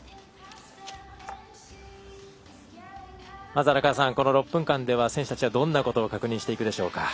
まずこの６分間では、選手たちはどんなことを確認していくでしょうか？